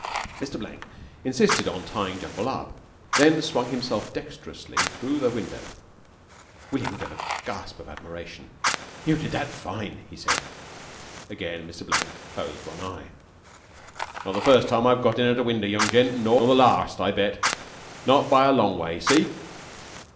Mr. Blank insisted on tying Jumble up, then he swung himself dexterously through the window. William gave a gasp of admiration. "You did that fine," he said. Again Mr. Blank closed one eye. "Not the first time I've got in at a winder, young gent, nor the larst, I bet. Not by a long way. See?"